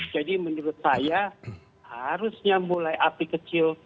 menurut saya harusnya mulai api kecil